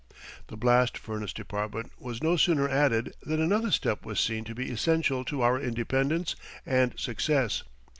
The blast furnace department was no sooner added than another step was seen to be essential to our independence and success.